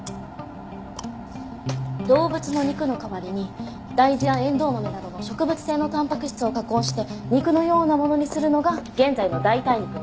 動物の肉の代わりに大豆やエンドウマメなどの植物性のタンパク質を加工して肉のようなものにするのが現在の代替肉の主流です。